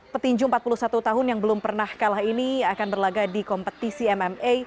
petinju empat puluh satu tahun yang belum pernah kalah ini akan berlaga di kompetisi mma